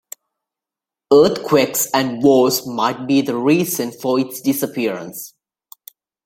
Earthquakes and wars might be the reason for its disappearance.